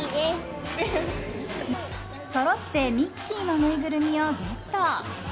そろってミッキーのぬいぐるみをゲット。